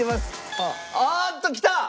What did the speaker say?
ああっときた！